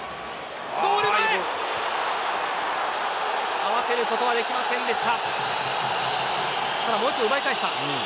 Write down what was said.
合わせることはできませんでした。